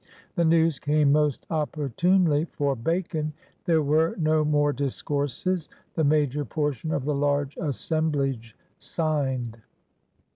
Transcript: The news came most opportunely for Bacon. "There were no more discourses.*' The major portion of the large assemblage signed.